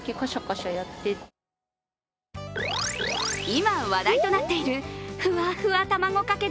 今話題となっている、ふわふわたまごかけ